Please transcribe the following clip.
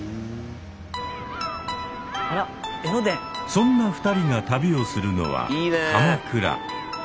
そんな２人が旅をするのは鎌倉。